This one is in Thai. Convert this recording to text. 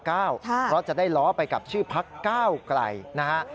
เพราะจะได้ล้อไปกับชื่อพักก้าวไกลนะฮะ